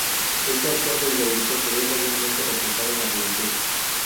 Esta acción del delito se ve mayormente reflejada en la juventud.